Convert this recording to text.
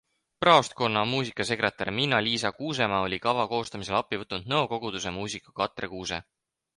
Praostkonna muusikasekretär Miina-Liisa Kuusemaa oli kava koostamisel appi võtnud Nõo koguduse muusiku Katre Kruuse.